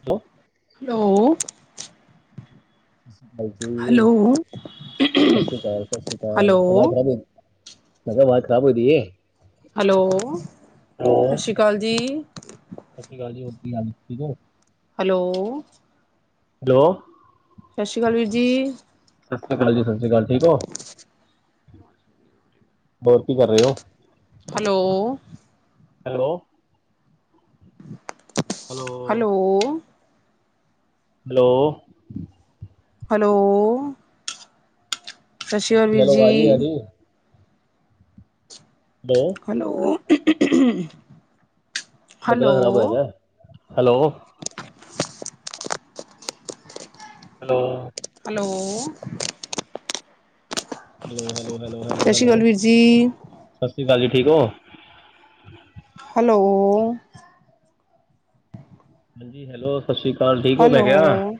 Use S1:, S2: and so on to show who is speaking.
S1: Hello
S2: hello
S1: ਸਤਿ ਸ਼੍ਰੀ ਅਕਾਲ
S2: ਹੈਲੋ,
S1: ਜੀ ਸਤਿ ਸ਼੍ਰੀ ਅਕਾਲ ਸਤਿ ਸ਼੍ਰੀ
S2: ਹੈਲੋ,
S1: ਅਕਾਲ ਆਬ [inaudible] ਦੀਏ
S2: ਹੈਲੋ ਸਤਿ ਸ਼੍ਰੀ ਅਕਾਲ ਜੀ
S1: ਸਤਿ ਸ਼੍ਰੀ ਅਕਾਲੀ ਹੋਰ ਕੀ ਹਾਲ ਠੀਕ ਓ
S2: ਹੈਲੋ
S1: ਹੈਲੋ
S2: ਸਤਿ ਸ਼੍ਰੀ ਅਕਾਲ ਵੀਰ ਜੀ
S1: ਸਤਿ ਸ਼੍ਰੀ ਅਕਾਲ ਜੀ ਸਤਿ ਸ਼੍ਰੀ ਅਕਾਲ ਠੀਕ ਹੋ ਹੋਰ ਕੀ ਕਰ ਰਹੇ ਓ
S2: hello
S1: hello
S2: hello
S1: hello
S2: hello ਸਤਿ ਸ਼੍ਰੀ ਅਕਾਲ
S1: ਹਾਂਜੀ
S2: ਵੀਰ
S1: ਹੈਲੋ ਆਵਾਜ਼ ਨੀ ਆ
S2: ਜੀ,
S1: ਰਹੀ [unintelligible]
S2: ਹੈਲੋ। ਹੈਲੋ
S1: [unintelligible] ਖ਼ਰਾਬ ਹੋਇਆ ਦਾ hello
S2: [unintelligible]
S1: hello
S2: hello
S1: hello hello hello hello
S2: ਸਤਿ ਸ਼੍ਰੀ
S1: ਹੈਲੋ
S2: ਅਕਾਲ ਵੀਰ ਜੀ,
S1: ਸਤਿ ਸ਼੍ਰੀ ਅਕਾਲ ਜੀ ਠੀਕ ਹੋ
S2: ਹੈਲੋ
S1: ਹਾਂਜੀ ਹੈਲੋ ਸਤਿ ਸ਼੍ਰੀ ਅਕਾਲ ਠੀਕ ਹੋ ਮੈਂ ਕਿਹਾ
S2: ਹੈਲੋ